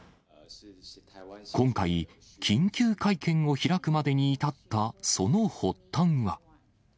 今回、緊急会見を開くまでに至った、その発端は。